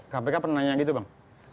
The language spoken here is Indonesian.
kpk pernah nanya gitu bang